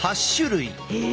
え！